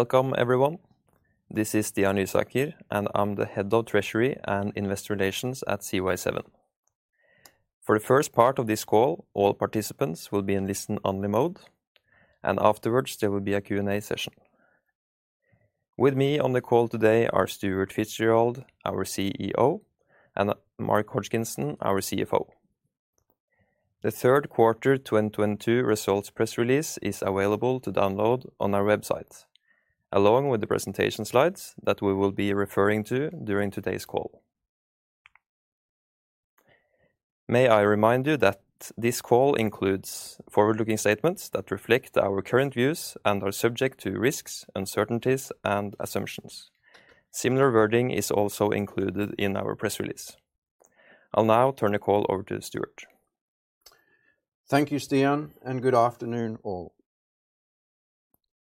Welcome, everyone. This is Stian Lysaker, and I'm the Head of Treasury and Investor Relations at Seaway 7. For the first part of this call, all participants will be in listen-only mode, and afterwards there will be a Q&A session. With me on the call today are Stuart Fitzgerald, our CEO, and Mark Hodgkinson, our CFO. The Third Quarter 2022 Results press release is available to download on our website, along with the presentation slides that we will be referring to during today's call. May I remind you that this call includes forward-looking statements that reflect our current views and are subject to risks, uncertainties, and assumptions. Similar wording is also included in our press release. I'll now turn the call over to Stuart. Thank you, Stian, and good afternoon all.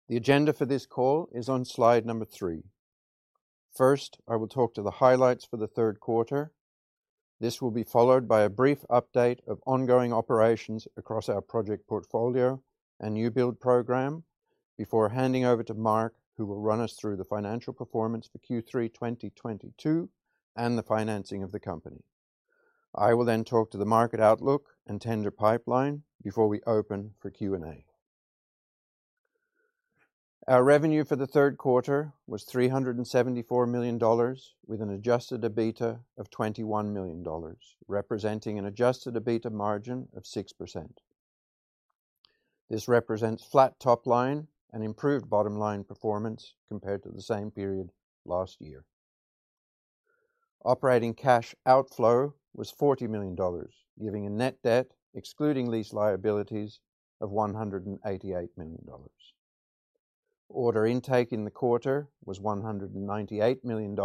The agenda for this call is on slide number three. First, I will talk to the highlights for the third quarter. This will be followed by a brief update of ongoing operations across our project portfolio and new build program before handing over to Mark, who will run us through the financial performance for Q3 2022 and the financing of the company. I will then talk to the market outlook and tender pipeline before we open for Q&A. Our revenue for the third quarter was $374 million with an adjusted EBITDA of $21 million, representing an adjusted EBITDA margin of 6%. This represents flat top line and improved bottom line performance compared to the same period last year. Operating cash outflow was $40 million, giving a net debt excluding lease liabilities of $188 million. Order intake in the quarter was $198 million,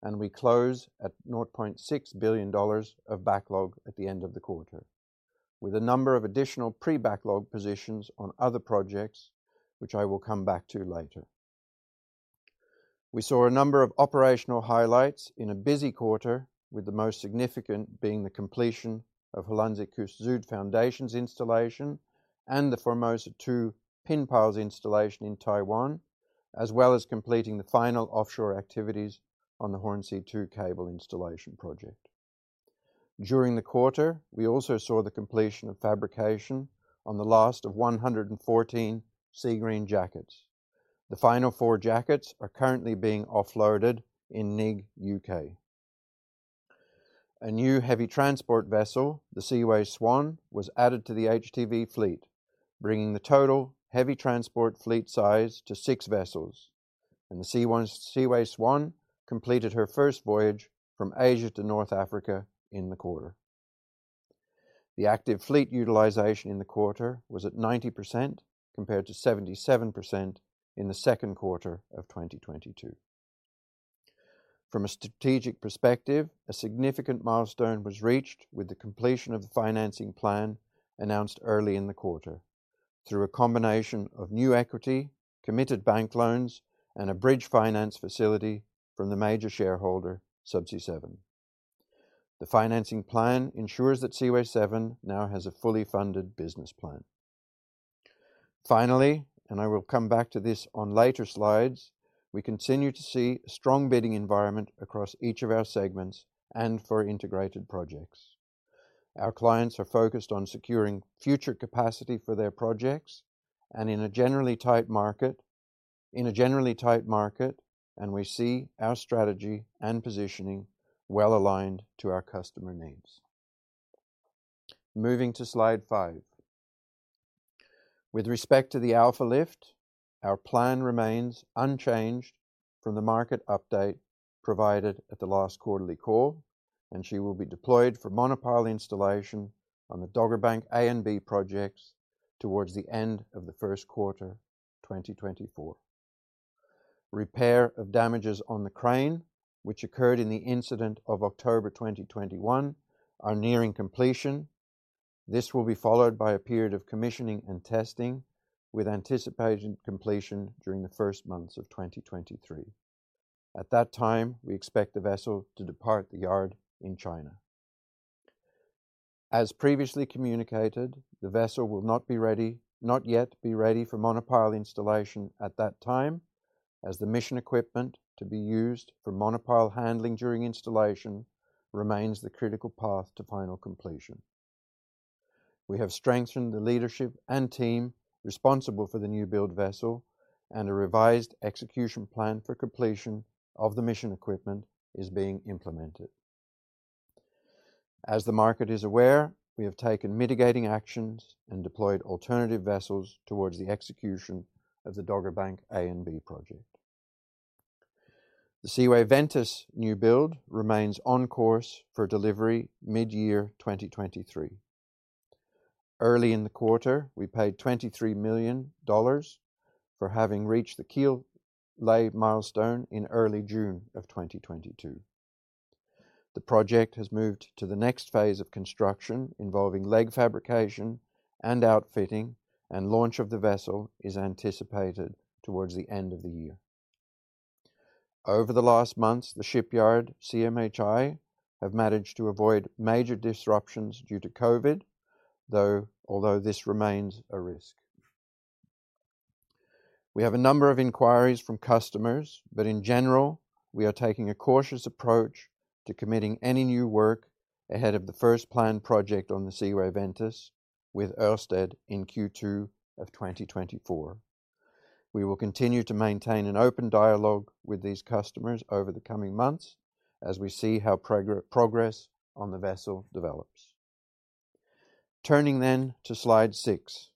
and we close at $0.6 billion of backlog at the end of the quarter, with a number of additional pre-backlog positions on other projects which I will come back to later. We saw a number of operational highlights in a busy quarter, with the most significant being the completion of Hollandse Kust Zuid foundations installation and the Formosa 2 pin piles installation in Taiwan, as well as completing the final offshore activities on the Hornsea 2 cable installation project. During the quarter, we also saw the completion of fabrication on the last of 114 Seagreen jackets. The final four jackets are currently being offloaded in Nigg, U.K. A new heavy transport vessel, the Seaway Swan, was added to the HTV fleet, bringing the total heavy transport fleet size to six vessels. The Seaway Swan completed her first voyage from Asia to North Africa in the quarter. The active fleet utilization in the quarter was at 90% compared to 77% in the second quarter of 2022. From a strategic perspective, a significant milestone was reached with the completion of the financing plan announced early in the quarter through a combination of new equity, committed bank loans, and a bridge finance facility from the major shareholder, Subsea 7. The financing plan ensures that Seaway 7 now has a fully funded business plan. Finally, and I will come back to this on later slides, we continue to see a strong bidding environment across each of our segments and for integrated projects. Our clients are focused on securing future capacity for their projects in a generally tight market, and we see our strategy and positioning well aligned to our customer needs. Moving to slide five. With respect to the Alfa Lift, our plan remains unchanged from the market update provided at the last quarterly call, and she will be deployed for monopile installation on the Dogger Bank A and B projects towards the end of the first quarter 2024. Repair of damages on the crane, which occurred in the incident of October 2021, are nearing completion. This will be followed by a period of commissioning and testing with anticipated completion during the first months of 2023. At that time, we expect the vessel to depart the yard in China. As previously communicated, the vessel will not yet be ready for monopile installation at that time as the mission equipment to be used for monopile handling during installation remains the critical path to final completion. We have strengthened the leadership and team responsible for the new-build vessel and a revised execution plan for completion of the mission equipment is being implemented. As the market is aware, we have taken mitigating actions and deployed alternative vessels towards the execution of the Dogger Bank A and B project. The Seaway Ventus new-build remains on course for delivery mid-year 2023. Early in the quarter, we paid $23 million for having reached the keel-lay milestone in early June of 2022. The project has moved to the next phase of construction involving leg fabrication and outfitting, and launch of the vessel is anticipated towards the end of the year. Over the last months, the shipyard, CMHI, have managed to avoid major disruptions due to COVID, though-- although this remains a risk. We have a number of inquiries from customers, but in general, we are taking a cautious approach to committing any new work ahead of the first planned project on the Seaway Ventus with Ørsted in Q2 of 2024. We will continue to maintain an open dialogue with these customers over the coming months as we see how prog-progress on the vessel develops. Turning then to slide six.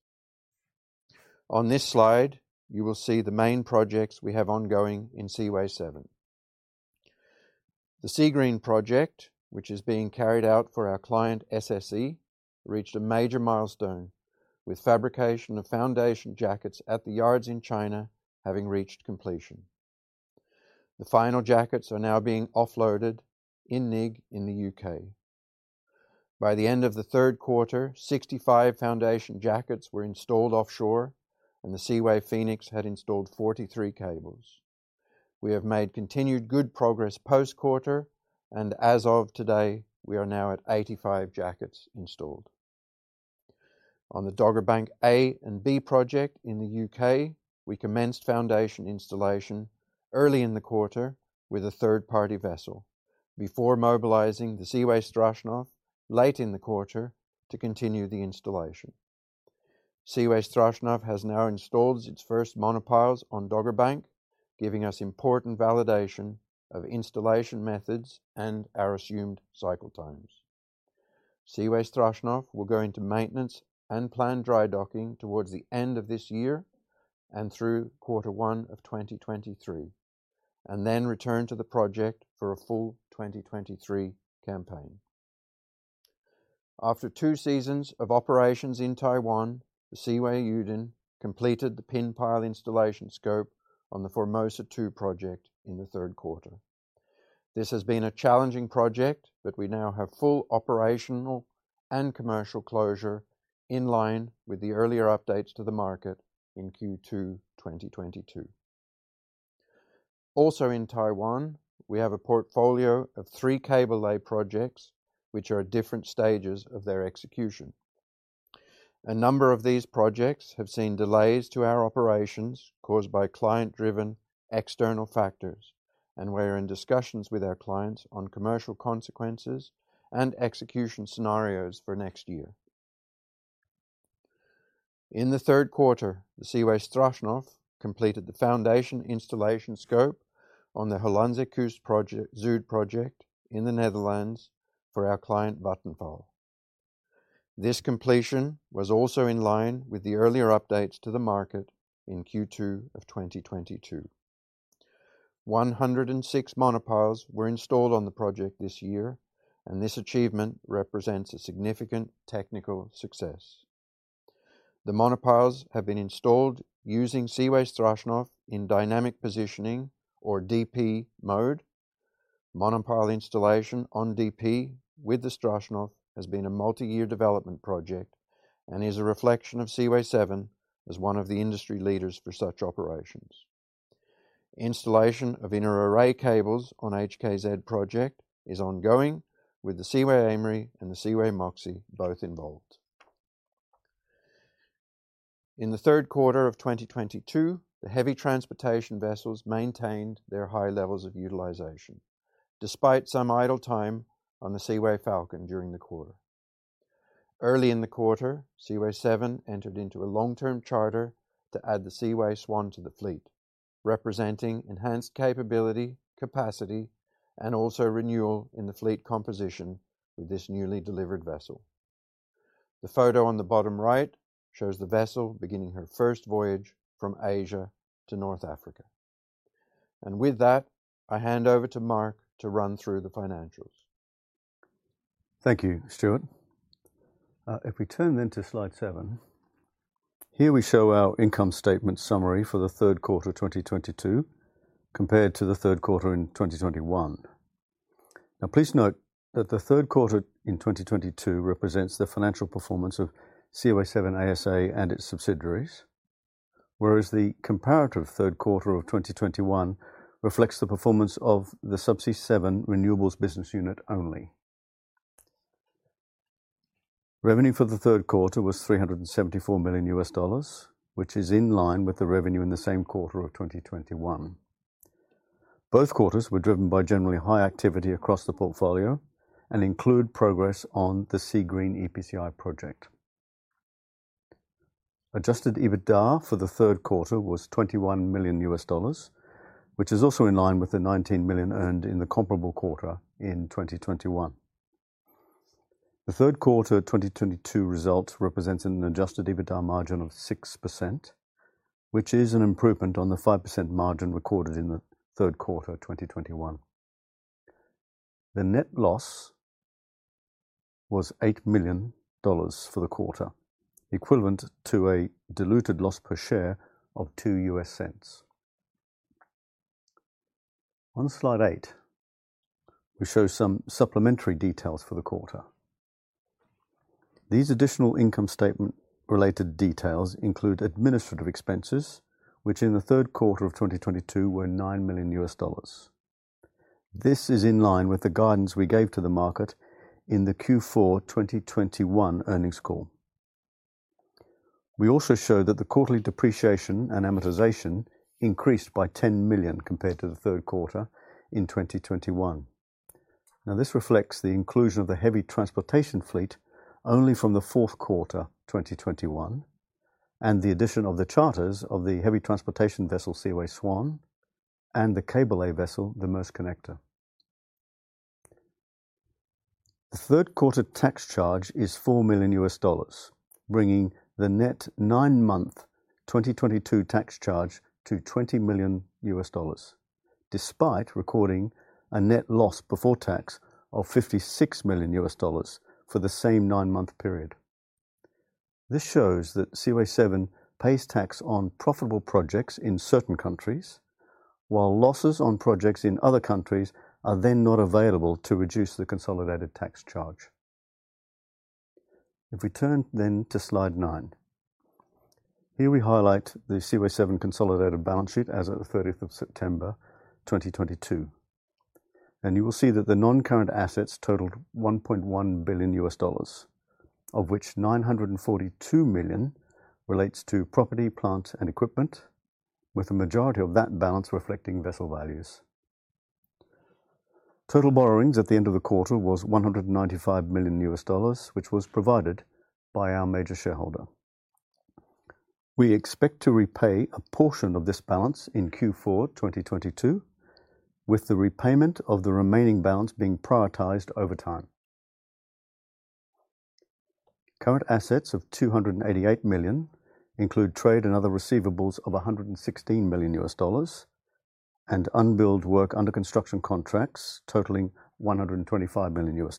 On this slide, you will see the main projects we have ongoing in Seaway7. The Seagreen project, which is being carried out for our client SSE, reached a major milestone, with fabrication of foundation jackets at the yards in China having reached completion. The final jackets are now being offloaded in Nigg in the U.K. By the end of the third quarter, 65 foundation jackets were installed offshore, and the Seaway Phoenix had installed 43 cables. We have made continued good progress post-quarter, and as of today, we are now at 85 jackets installed. On the Dogger Bank A and B project in the U.K., we commenced foundation installation early in the quarter with a third-party vessel before mobilizing the Seaway Strashnov late in the quarter to continue the installation. Seaway Strashnov has now installed its first monopiles on Dogger Bank, giving us important validation of installation methods and our assumed cycle times. Seaway Strashnov will go into maintenance and planned dry docking towards the end of this year and through quarter one of 2023, and then return to the project for a full 2023 campaign. After two seasons of operations in Taiwan, the Seaway Yudin completed the pin pile installation scope on the Formosa 2 project in the third quarter. This has been a challenging project, but we now have full operational and commercial closure in line with the earlier updates to the market in Q2 2022. Also, in Taiwan, we have a portfolio of three cable lay projects which are at different stages of their execution. A number of these projects have seen delays to our operations caused by client-driven external factors, and we're in discussions with our clients on commercial consequences and execution scenarios for next year. In the third quarter, the Seaway Strashnov completed the foundation installation scope on the Hollandse Kust Zuid project in the Netherlands for our client Vattenfall. This completion was also in line with the earlier updates to the market in Q2 of 2022. 106 monopiles were installed on the project this year, and this achievement represents a significant technical success. The monopiles have been installed using Seaway Strashnov in dynamic positioning or DP mode. Monopile installation on DP with the Strashnov has been a multi-year development project and is a reflection of Seaway7 as one of the industry leaders for such operations. Installation of inter-array cables on HKZ project is ongoing with the Seaway Aimery and the Seaway Moxie both involved. In the third quarter of 2022, the heavy transportation vessels maintained their high levels of utilization despite some idle time on the Seaway Falcon during the quarter. Early in the quarter, Seaway7 entered into a long-term charter to add the Seaway Swan to the fleet, representing enhanced capability, capacity, and also renewal in the fleet composition with this newly delivered vessel. The photo on the bottom right shows the vessel beginning her first voyage from Asia to North Africa. With that, I hand over to Mark to run through the financials. Thank you, Stuart. If we turn then to slide seven, here we show our income statement summary for the third quarter 2022 compared to the third quarter in 2021. Now, please note that the third quarter in 2022 represents the financial performance of Seaway7 ASA and its subsidiaries, whereas the comparative third quarter of 2021 reflects the performance of the Subsea 7 renewables business unit only. Revenue for the third quarter was $374 million, which is in line with the revenue in the same quarter of 2021. Both quarters were driven by generally high activity across the portfolio and include progress on the Seagreen EPCI project. Adjusted EBITDA for the third quarter was $21 million, which is also in line with the $19 million earned in the comparable quarter in 2021. The third quarter 2022 results represents an adjusted EBITDA margin of 6%, which is an improvement on the 5% margin recorded in the third quarter 2021. The net loss was $8 million for the quarter, equivalent to a diluted loss per share of $0.02. On slide eight, we show some supplementary details for the quarter. These additional income statement related details include administrative expenses, which in the third quarter of 2022 were $9 million. This is in line with the guidance we gave to the market in the Q4 2021 earnings call. We also showed that the quarterly depreciation and amortization increased by $10 million compared to the third quarter in 2021. Now, this reflects the inclusion of the heavy transportation fleet only from the fourth quarter, 2021, and the addition of the charters of the heavy transportation vessel, Seaway Swan, and the cable lay vessel, the Maersk Connector. The third quarter tax charge is $4 million, bringing the net nine-month 2022 tax charge to $20 million, despite recording a net loss before tax of $56 million for the same nine-month period. This shows that Seaway7 pays tax on profitable projects in certain countries, while losses on projects in other countries are then not available to reduce the consolidated tax charge. If we turn then to slide nine, here we highlight the Seaway7 consolidated balance sheet as at the 30 September 2022. You will see that the non-current assets totaled $1.1 billion, of which $942 million relates to property, plant, and equipment, with the majority of that balance reflecting vessel values. Total borrowings at the end of the quarter was $195 million, which was provided by our major shareholder. We expect to repay a portion of this balance in Q4 2022, with the repayment of the remaining balance being prioritized over time. Current assets of $288 million include trade and other receivables of $116 million and unbilled work under construction contracts totaling $125 million.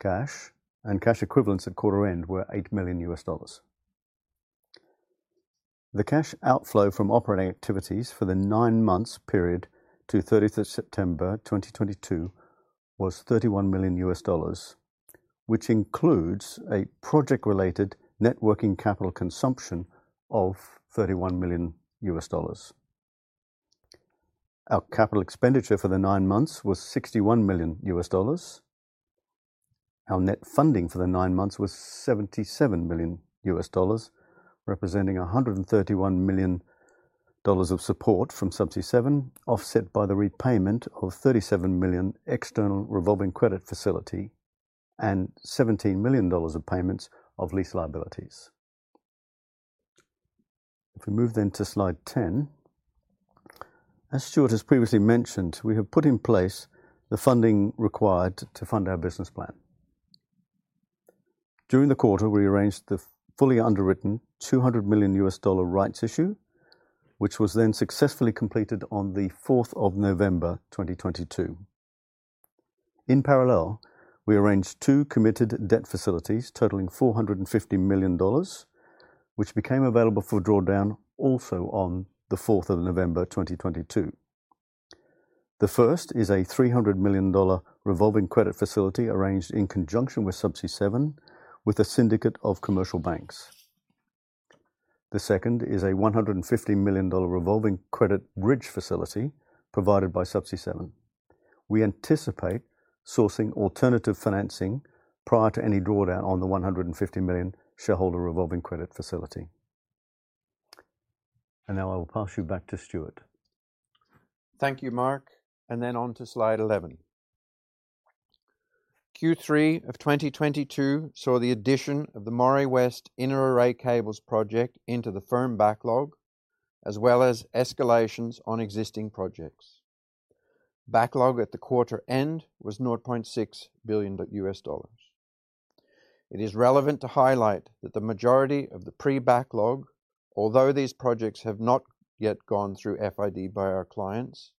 Cash and cash equivalents at quarter end were $8 million. The cash outflow from operating activities for the nine months period to 30 September 2022 was $31 million, which includes a project-related net working capital consumption of $31 million. Our capital expenditure for the nine months was $61 million. Our net funding for the nine months was $77 million, representing $131 million of support from Subsea 7, offset by the repayment of $37 million external revolving credit facility and $17 million of payments of lease liabilities. If we move then to slide 10, as Stuart has previously mentioned, we have put in place the funding required to fund our business plan. During the quarter, we arranged the fully underwritten $200 million rights issue, which was then successfully completed on the 4th of November 2022. In parallel, we arranged two committed debt facilities totaling $450 million, which became available for drawdown also on the fourth of November 2022. The first is a $300 million revolving credit facility arranged in conjunction with Subsea 7 with a syndicate of commercial banks. The second is a $150 million revolving credit bridge facility provided by Subsea 7. We anticipate sourcing alternative financing prior to any drawdown on the $150 million shareholder revolving credit facility. Now I will pass you back to Stuart. Thank you, Mark. On to slide 11. Q3 of 2022 saw the addition of the Moray West inter-array cables project into the firm backlog, as well as escalations on existing projects. Backlog at the quarter end was $0.6 billion. It is relevant to highlight that the majority of the pre-backlog, although these projects have not yet gone through FID by our clients,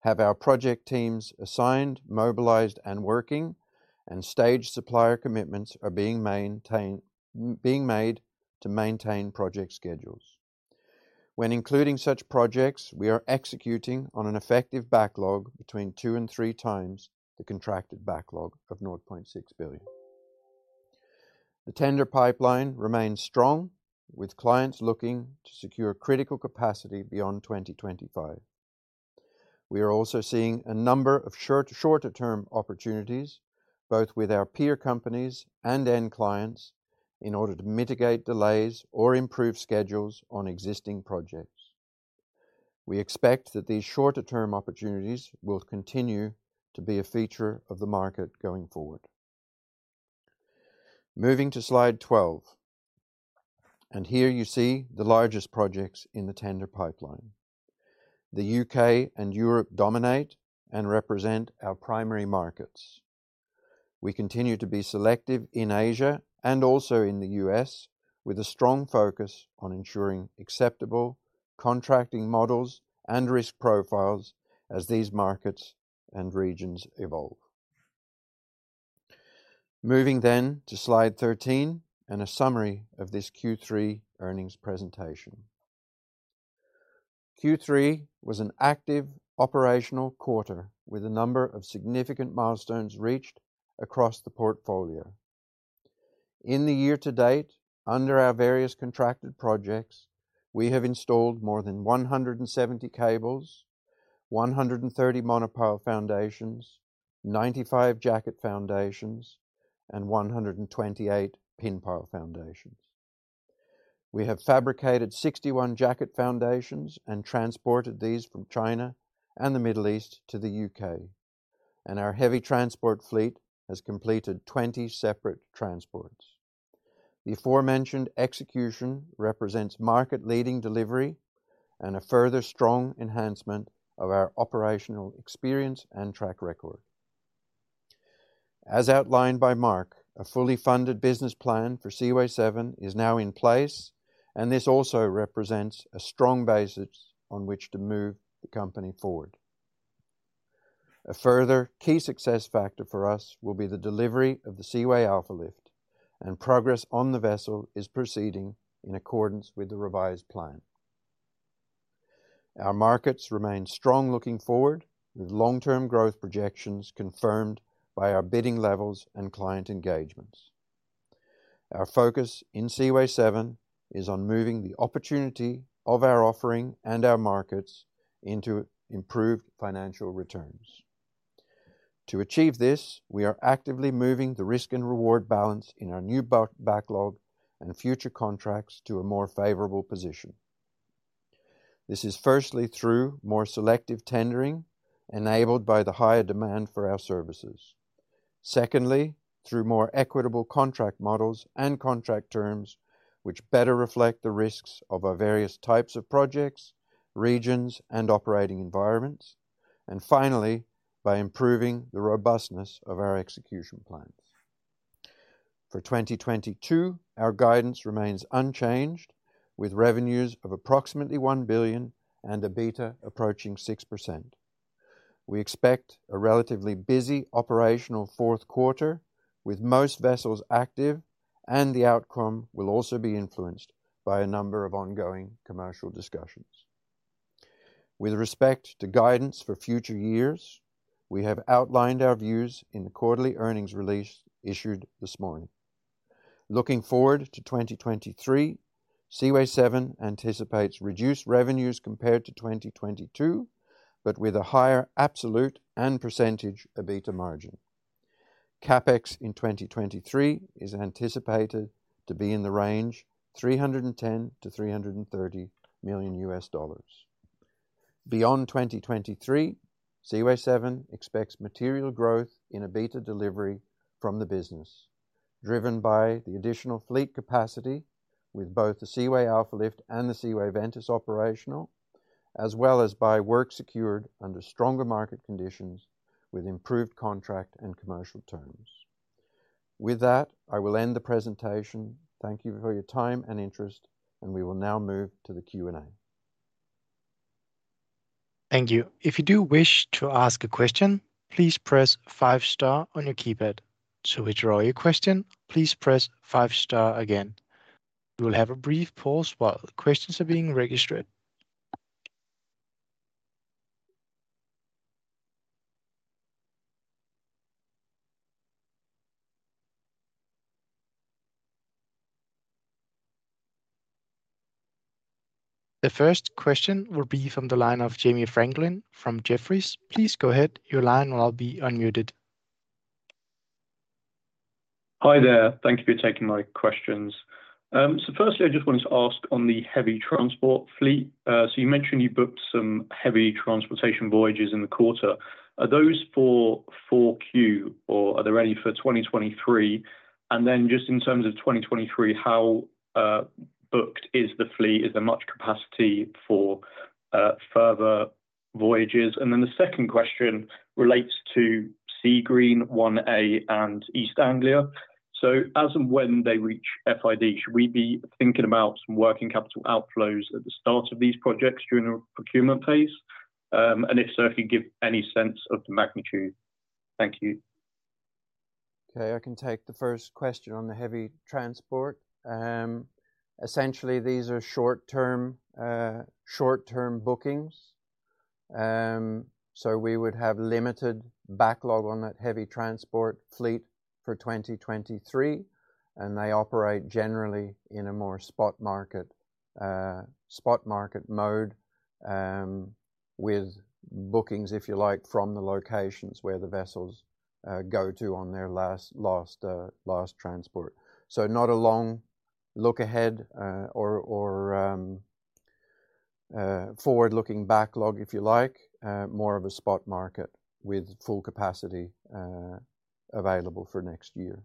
have our project teams assigned, mobilized, and working, and staged supplier commitments are being made to maintain project schedules. When including such projects, we are executing on an effective backlog between 2 and 3x the contracted backlog of $0.6 billion. The tender pipeline remains strong, with clients looking to secure critical capacity beyond 2025. We are also seeing a number of shorter term opportunities, both with our peer companies and end clients in order to mitigate delays or improve schedules on existing projects. We expect that these shorter term opportunities will continue to be a feature of the market going forward. Moving to slide 12, here you see the largest projects in the tender pipeline. The U.K. and Europe dominate and represent our primary markets. We continue to be selective in Asia and also in the U.S., with a strong focus on ensuring acceptable contracting models and risk profiles as these markets and regions evolve. Moving then to slide 13 and a summary of this Q3 earnings presentation. Q3 was an active operational quarter with a number of significant milestones reached across the portfolio. In the year-to-date, under our various contracted projects, we have installed more than 170 cables, 130 monopile foundations, 95 jacket foundations, and 128 pin pile foundations. We have fabricated 61 jacket foundations and transported these from China and the Middle East to the U.K. Our heavy transport fleet has completed 20 separate transports. The aforementioned execution represents market-leading delivery and a further strong enhancement of our operational experience and track record. As outlined by Mark, a fully funded business plan for Seaway7 is now in place, and this also represents a strong basis on which to move the company forward. A further key success factor for us will be the delivery of the Seaway Alfa Lift, and progress on the vessel is proceeding in accordance with the revised plan. Our markets remain strong looking forward, with long-term growth projections confirmed by our bidding levels and client engagements. Our focus in Seaway7 is on moving the opportunity of our offering and our markets into improved financial returns. To achieve this, we are actively moving the risk and reward balance in our new backlog and future contracts to a more favorable position. This is firstly through more selective tendering enabled by the higher demand for our services. Secondly, through more equitable contract models and contract terms which better reflect the risks of our various types of projects, regions, and operating environments. Finally, by improving the robustness of our execution plans. For 2022, our guidance remains unchanged, with revenues of approximately $1 billion and EBITDA approaching 6%. We expect a relatively busy operational fourth quarter with most vessels active, and the outcome will also be influenced by a number of ongoing commercial discussions. With respect to guidance for future years, we have outlined our views in the quarterly earnings release issued this morning. Looking forward to 2023, Seaway7 anticipates reduced revenues compared to 2022, but with a higher absolute and % EBITDA margin. CapEx in 2023 is anticipated to be in the range $310 million-$330 million. Beyond 2023, Seaway7 expects material growth in EBITDA delivery from the business, driven by the additional fleet capacity with both the Seaway Alfa Lift and the Seaway Ventus operational, as well as by work secured under stronger market conditions with improved contract and commercial terms. With that, I will end the presentation. Thank you for your time and interest, and we will now move to the Q&A. Thank you. If you do wish to ask a question, please press five star on your keypad. To withdraw your question, please press five star again. We will have a brief pause while questions are being registered. The first question will be from the line of Jamie Franklin from Jefferies. Please go ahead. Your line will now be unmuted. Hi there. Thank you for taking my questions. Firstly, I just wanted to ask on the heavy transport fleet. You mentioned you booked some heavy transportation voyages in the quarter. Are those for 4Q or are they ready for 2023? Just in terms of 2023, how booked is the fleet? Is there much capacity for further voyages? The second question relates to Seagreen 1A and East Anglia. As and when they reach FID, should we be thinking about some working capital outflows at the start of these projects during a procurement phase? If so, can you give any sense of the magnitude? Thank you. Okay, I can take the first question on the heavy transport. Essentially, these are short-term bookings. We would have limited backlog on that heavy transport fleet for 2023, and they operate generally in a more spot market mode, with bookings, if you like, from the locations where the vessels go to on their last transport. Not a long look ahead or forward-looking backlog, if you like. More of a spot market with full capacity available for next year.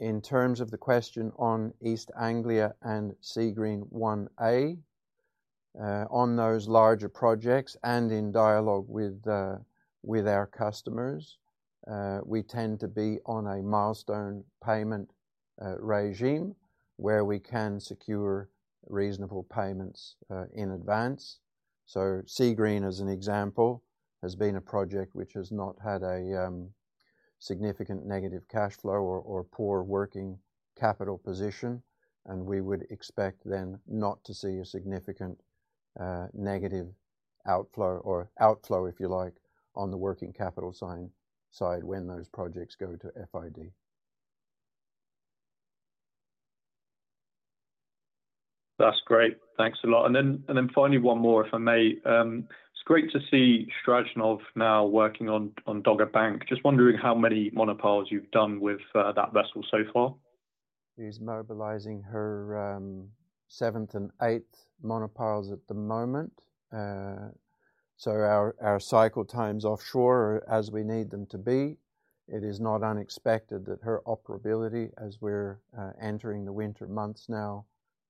In terms of the question on East Anglia and Seagreen 1A, on those larger projects and in dialogue with our customers, we tend to be on a milestone payment regime where we can secure reasonable payments in advance. Seagreen, as an example, has been a project which has not had a significant negative cash flow or poor working capital position. We would expect then not to see a significant negative outflow, if you like, on the working capital side when those projects go to FID. That's great. Thanks a lot. Finally, one more if I may. It's great to see Strashnov now working on Dogger Bank. Just wondering how many monopiles you've done with that vessel so far. She's mobilizing her seventh and eighth monopiles at the moment. Our cycle times offshore are as we need them to be. It is not unexpected that her operability as we're entering the winter months now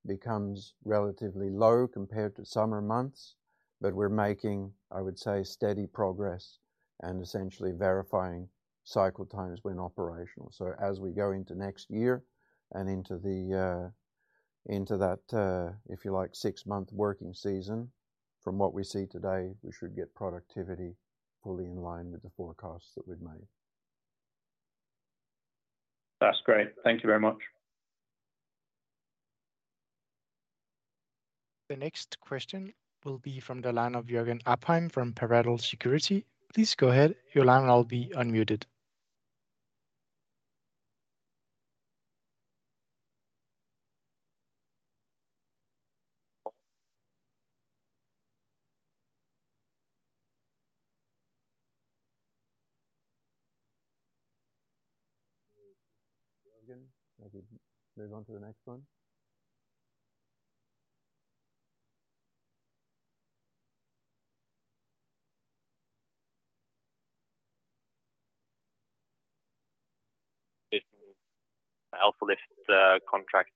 becomes relatively low compared to summer months. We're making, I would say, steady progress and essentially verifying cycle times when operational. As we go into next year and into that, if you like, six-month working season, from what we see today, we should get productivity fully in line with the forecasts that we've made. That's great. Thank you very much. The next question will be from the line of Jørgen Opheim from Pareto Securities. Please go ahead. Your line will now be unmuted. Jørgen, maybe move on to the next one. Alfa Lift contract.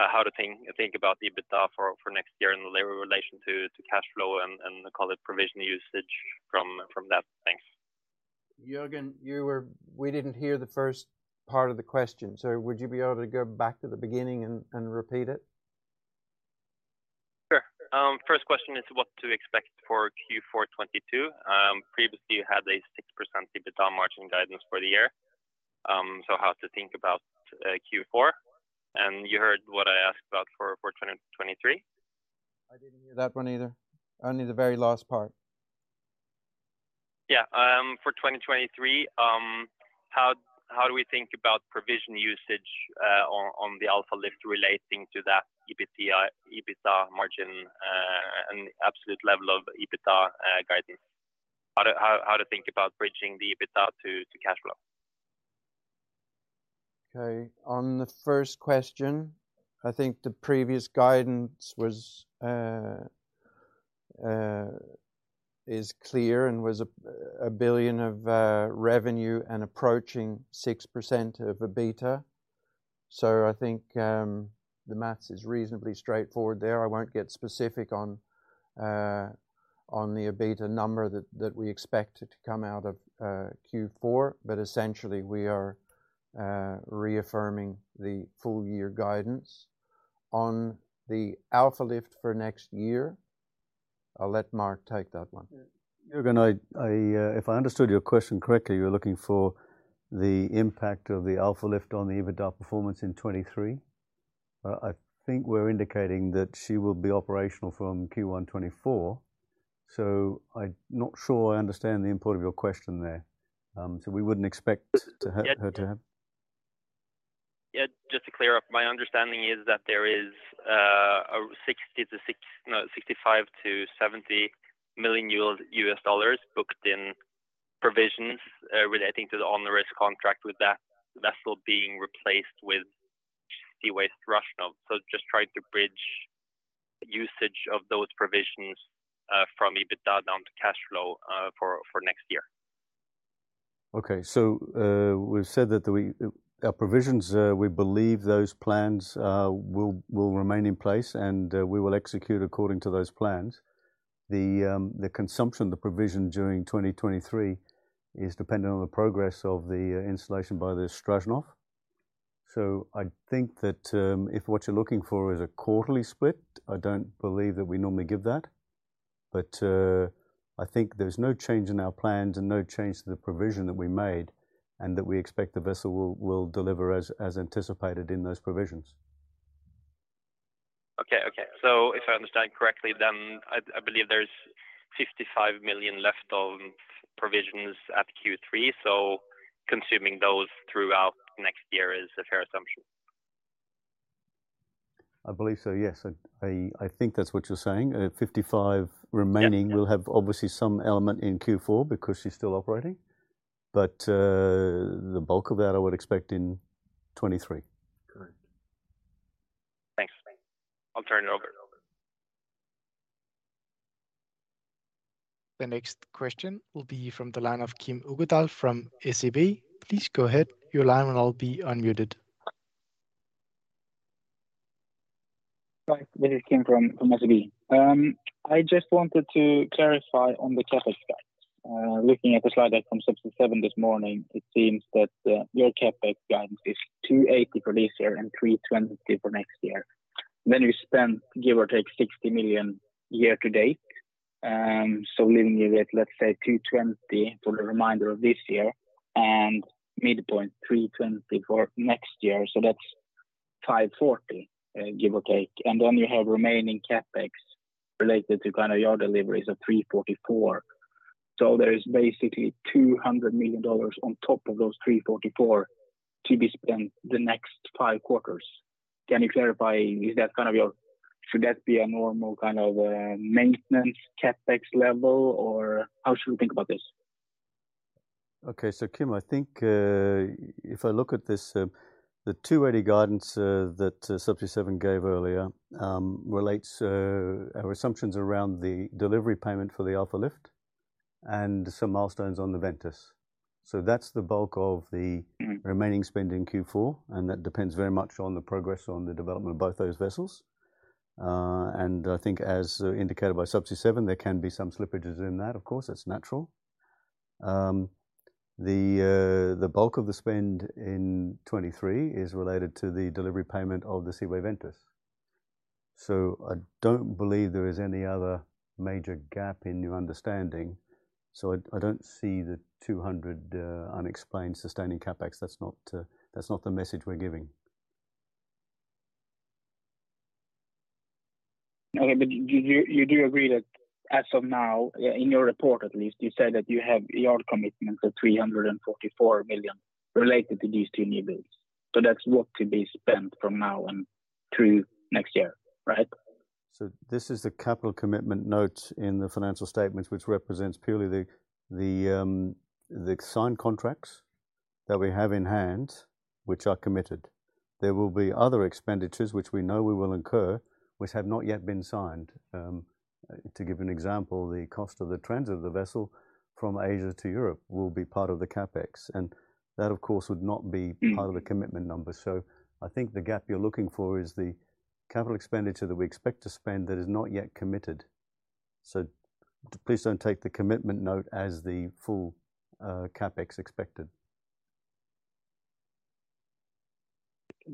How to think about the EBITDA for next year in relation to cash flow and call it provision usage from that? Thanks. Jørgen, we didn't hear the first part of the question, so would you be able to go back to the beginning and repeat it? Sure. First question is what to expect for Q4 2022. Previously you had a 6% EBITDA margin guidance for the year. How to think about Q4. You heard what I asked about for 2023. I didn't hear that one either, only the very last part. Yeah. For 2023, how do we think about provision usage on the Alfa Lift relating to that EBITDA margin and absolute level of EBITDA guidance? How to think about bridging the EBITDA to cash flow? Okay. On the first question, I think the previous guidance is clear and was $1 billion of revenue and approaching 6% of EBITDA. I think the math is reasonably straightforward there. I won't get specific on the EBITDA number that we expect it to come out of Q4, but essentially we are reaffirming the full-year guidance. On the Alfa Lift for next year, I'll let Mark take that one. Jørgen, if I understood your question correctly, you're looking for the impact of the Alfa Lift on the EBITDA performance in 2023. I think we're indicating that she will be operational from Q1 2024, so I'm not sure I understand the import of your question there. Yeah. Her to have. Yeah. Just to clear up, my understanding is that there is $65 million-$70 million booked in provisions relating to the onerous contract with that vessel being replaced with Seaway Strashnov. Just trying to bridge usage of those provisions from EBITDA down to cash flow for next year. Okay. We've said that our provisions, we believe those plans will remain in place and we will execute according to those plans. The consumption, the provision during 2023 is dependent on the progress of the installation by the Strashnov. I think that if what you're looking for is a quarterly split, I don't believe that we normally give that. I think there's no change in our plans and no change to the provision that we made, and that we expect the vessel will deliver as anticipated in those provisions. Okay. Okay. If I understand correctly, then I believe there's $55 million left on provisions at Q3, so consuming those throughout next year is a fair assumption. I believe so, yes. I think that's what you're saying. 55 remaining. Yeah Will have obviously some element in Q4 because she's still operating. The bulk of that I would expect in 2023. Correct. Thanks. I'll turn it over. The next question will be from the line of Kim André Uggedal from SEB. Please go ahead. Your line will now be unmuted. Hi, this is Kim from SEB. I just wanted to clarify on the CapEx guide. Looking at the slide that comes up to seven this morning, it seems that your CapEx guidance is $280 for this year and $320 for next year. You spent, give or take, $60 million year to date. Leaving you with, let's say, $220 for the remainder of this year and midpoint $320 for next year. That's $540, give or take. You have remaining CapEx related to kind of your deliveries of $344. There is basically $200 million on top of those $344 to be spent the next five quarters. Can you clarify, should that be a normal kind of maintenance CapEx level, or how should we think about this? Okay. Kim, I think if I look at this, the $280 guidance that Subsea 7 gave earlier relates our assumptions around the delivery payment for the Alfa Lift and some milestones on the Ventus. That's the bulk of the remaining spend in Q4, and that depends very much on the progress on the development of both those vessels. I think as indicated by Subsea 7, there can be some slippages in that, of course. That's natural. The bulk of the spend in 2023 is related to the delivery payment of the Seaway Ventus. I don't believe there is any other major gap in your understanding. I don't see the $200 unexplained sustaining CapEx. That's not the message we're giving. Okay. You do agree that as of now, in your report, at least, you said that you have CapEx commitment of $344 million related to these two new builds. That's what could be spent from now and through next year, right? This is the capital commitment note in the financial statements, which represents purely the signed contracts that we have in hand, which are committed. There will be other expenditures which we know we will incur, which have not yet been signed. To give an example, the cost of the transit of the vessel from Asia to Europe will be part of the CapEx, and that, of course, would not be part of the commitment number. I think the gap you're looking for is the capital expenditure that we expect to spend that is not yet committed. Please don't take the commitment note as the full CapEx expected.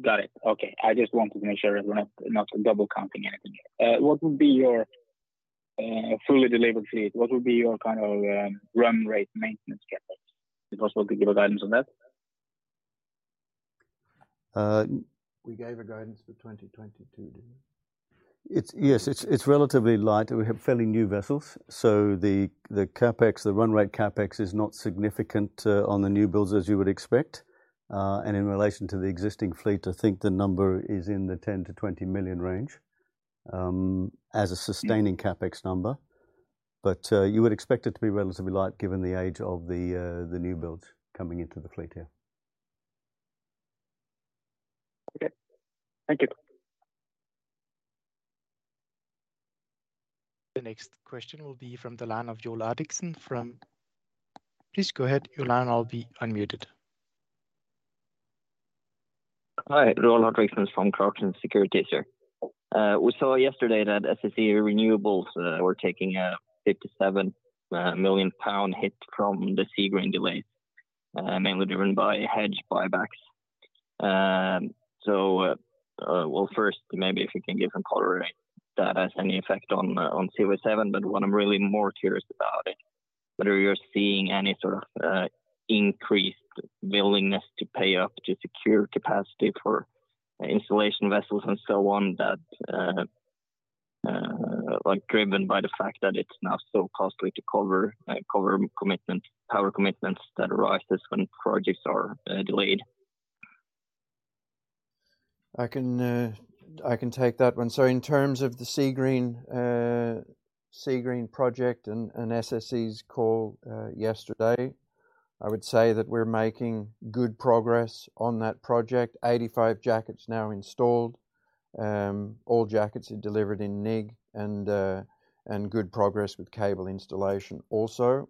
Got it. Okay. I just wanted to make sure we're not double counting anything. What would be your fully delivered fleet? What would be your kind of run rate maintenance CapEx? Is it possible to give a guidance on that? We gave a guidance for 2022, didn't we? Yes. It's relatively light. We have fairly new vessels, so the CapEx, the run rate CapEx is not significant on the new builds, as you would expect. In relation to the existing fleet, I think the number is in the $10 million-$20 million range as a sustaining. Yeah CapEx number. You would expect it to be relatively light given the age of the new builds coming into the fleet here. Okay. Thank you. The next question will be from the line of Roar Doksæter. Please go ahead, your line will all be unmuted. Hi. Roar Doksæter from Clarksons Securities here. We saw yesterday that SSE Renewables were taking a 57-million pound hit from the Seagreen delays, mainly driven by hedge buybacks. Well first, maybe if you can give some color if that has any effect on Subsea 7. What I'm really more curious about is whether you're seeing any sort of increased willingness to pay up to secure capacity for installation vessels and so on that, like driven by the fact that it's now so costly to cover power commitments that arises when projects are delayed. I can take that one. In terms of the Seagreen project and SSE's call yesterday, I would say that we're making good progress on that project. 85 jackets now installed. All jackets are delivered in Nigg and good progress with cable installation also.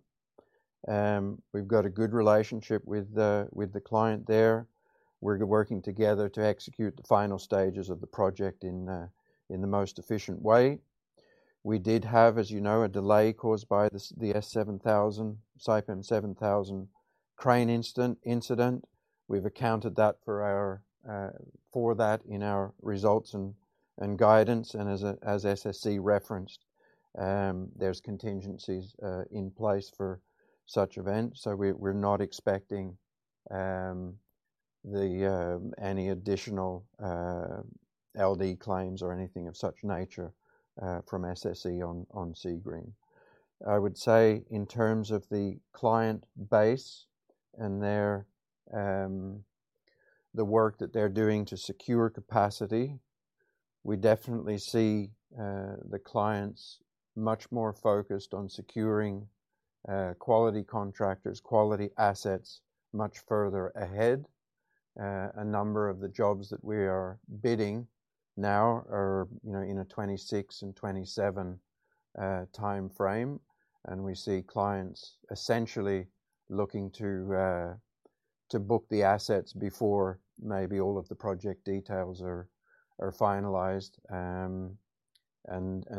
We've got a good relationship with the client there. We're working together to execute the final stages of the project in the most efficient way. We did have, as you know, a delay caused by the S7000, Saipem 7000, crane incident. We've accounted for that in our results and guidance. As SSE referenced, there's contingencies in place for such events. We're not expecting any additional L.D. claims or anything of such nature from SSE on Seagreen. I would say in terms of the client base and their work that they're doing to secure capacity, we definitely see the clients much more focused on securing quality contractors, quality assets much further ahead. A number of the jobs that we are bidding now are, you know, in a 2026 and 2027 timeframe, and we see clients essentially looking to book the assets before maybe all of the project details are finalized.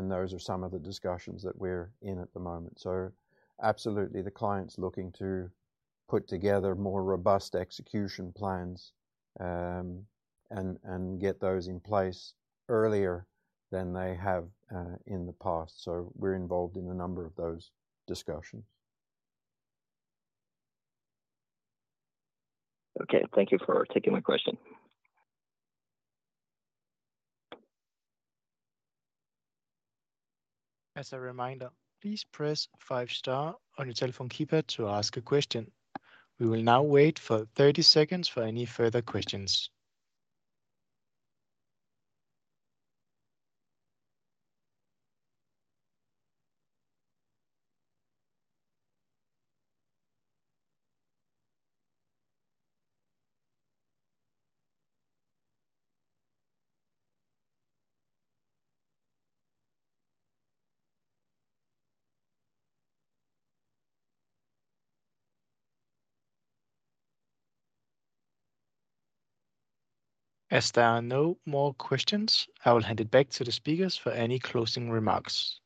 Those are some of the discussions that we're in at the moment. Absolutely the client's looking to put together more robust execution plans and get those in place earlier than they have in the past. We're involved in a number of those discussions. Okay. Thank you for taking my question. As a reminder, please press five star on your telephone keypad to ask a question. We will now wait for 30 seconds for any further questions. As there are no more questions, I will hand it back to the speakers for any closing remarks.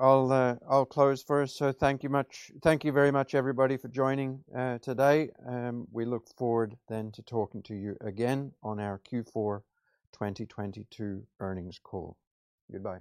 I'll close first. Thank you very much, everybody, for joining today. We look forward then to talking to you again on our Q4 2022 earnings call. Goodbye.